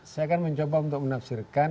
saya akan mencoba untuk menafsirkan